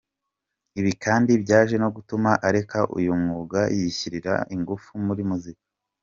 Ibi kandi byaje no gutuma areka uyu mwuga yishyirira ingufu muri muzika.